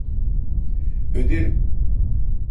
Öderim.